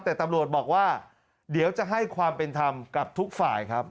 แต่ตำรวจบอกว่าเดี๋ยวจะให้ความเป็นธรรมกับทุกฝ่ายครับ